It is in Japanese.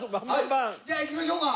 じゃあいきましょうか。